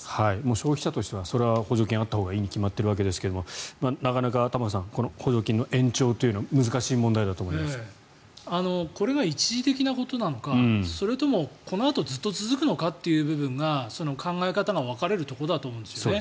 消費者としては補助金があったほうがいいのは当たり前ですがなかなか、玉川さん補助金の延長というのはこれが一時的なことなのかそれともこのあとずっと続くのかという部分が考え方が分かれるところだと思うんですよね。